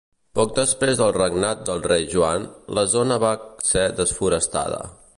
Poc després del regnat del Rei Joan, la zona va ser desforestada.